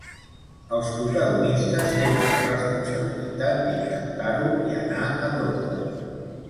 Els protagonistes tenen la responsabilitat d’intentar-ho i anar a totes.